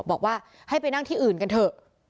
บอกว่าให้ไปนั่งที่อื่นกันเถอะ